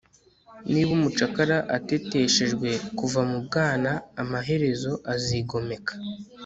niba umucakara ateteshejwe kuva mu bwana, amaherezo azigomeka